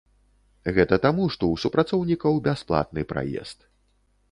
Гэта таму што у супрацоўнікаў бясплатны праезд.